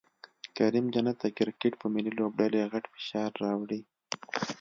کریم جنت د کرکټ په ملي لوبډلې غټ فشار راوړي